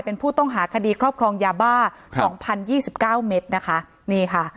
เป็นผู้ต้องหาคดีครอบครองยาบ้าสองพันยี่สิบเก้าเม็ดนะคะนี่ค่ะ